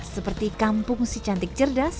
seperti kampung si cantik cerdas